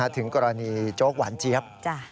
ถึงกรณีโจ๊กหวานเจี๊ยบ